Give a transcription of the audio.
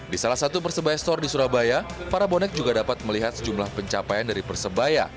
di salah satu persebaya store di surabaya para bonek juga dapat melihat sejumlah pencapaian dari persebaya